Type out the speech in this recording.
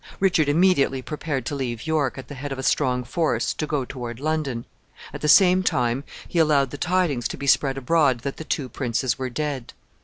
Richard immediately prepared to leave York, at the head of a strong force, to go toward London. At the same time, he allowed the tidings to be spread abroad that the two princes were dead.